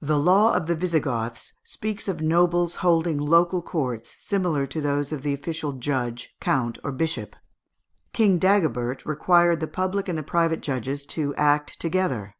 The law of the Visigoths speaks of nobles holding local courts, similar to those of the official judge, count, or bishop. King Dagobert required the public and the private judges to act together.